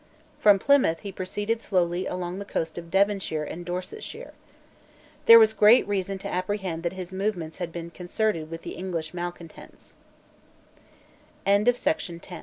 From Plymouth he proceeded slowly along the coast of Devonshire and Dorsetshire. There was great reason to apprehend that his movements had been concerted with the Engli